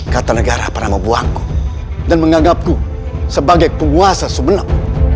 kata negara pernah membuangku dan menganggapku sebagai penguasa sumeneb